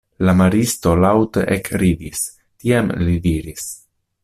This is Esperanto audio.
La maristo laŭte ekridis, tiam li diris: